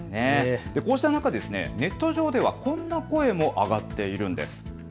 こうした中でネット上ではこんな声も上がっているんです。